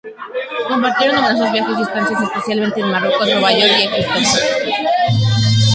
Compartieron numerosos viajes y estancias, especialmente en Marruecos, Nueva York y Egipto.